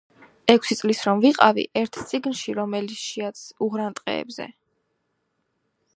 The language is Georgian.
ექვსი წლის რომ ვიყავი, ერთ წიგნში, რომელიშიაც უღრან ტყეებზე